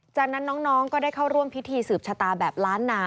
จากนั้นน้องก็ได้เข้าร่วมพิธีสืบชะตาแบบล้านนา